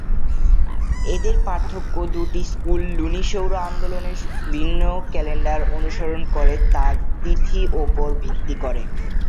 এদের পার্থক্য দুটি স্কুল লুনি-সৌর আন্দোলনের ভিন্ন ক্যালেন্ডার অনুসরণ করে যার তিথি উপর ভিত্তি করে।